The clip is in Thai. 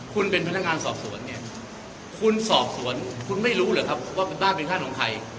คุณเป็นพนักงานสอบสวนเนี่ยคุณสอบสวนคุณไม่รู้เหรอครับว่าคุณต้าเป็นท่านของใคร